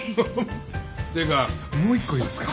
っていうかもう１個いいですか？